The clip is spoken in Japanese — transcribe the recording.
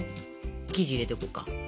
生地入れていこうか。